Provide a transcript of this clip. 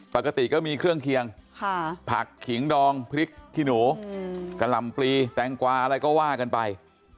ปกติก็มีเครื่องเคียงผักขิงดองพริกขี้หนูกะหล่ำปลีแตงกวาอะไรก็ว่ากันไป